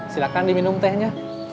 silakan diminum tehnya